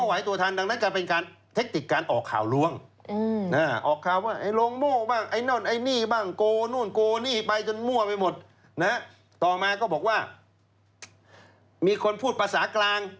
ไหวตัวทันดังนั้นกลายเป็นการเทคติกการออกข่าวล้วงออกข่าวว่าไอ้โรงโม่บ้างไอ้โน่นไอ้นี่บ้างโกนู่นโกนี่ไปจนมั่วไปหมดนะต่อมาก็บอกว่ามีคนพูดภาษากลาง